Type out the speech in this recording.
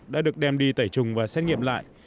đã được đem đi tẩy trùng và xét nghiệm lại